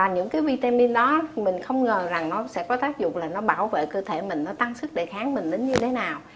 những cái vitamin đó mình không ngờ rằng nó sẽ có tác dụng là nó bảo vệ cơ thể mình nó tăng sức đề kháng mình đến như thế nào